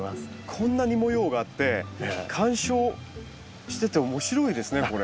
こんなに模様があって鑑賞してて面白いですねこれ。